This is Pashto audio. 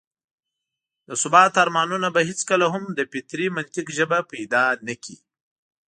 د ثبات ارمانونه به هېڅکله هم د فطري منطق ژبه پيدا نه کړي.